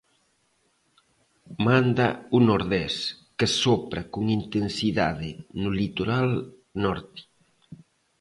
Manda o nordés, que sopra con intensidade no litoral norte.